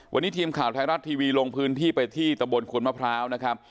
วันนี้ทีมข่าวไทยรัฐทีวีลงพื้นที่ไปที่ตะบนขวนมะพร้าวนะครับ